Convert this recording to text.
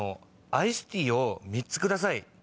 アイスティーを３つください。